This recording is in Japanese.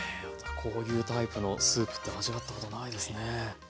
こういうタイプのスープって味わったことないですね。